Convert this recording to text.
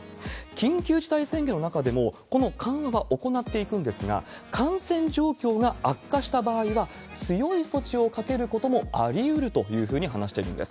緊急事態宣言の中でも、この緩和行っていくんですが、感染状況が悪化した場合は、強い措置をかけることもありうるというふうに話しているんです。